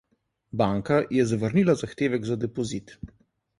Banka je zavrnila zahtevek za depozit.